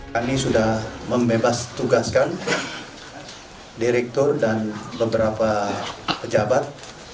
kami sudah membebas tugaskan direktur dan beberapa pejabat